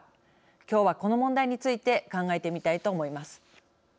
きょうは、この問題について考えてみたいと思います。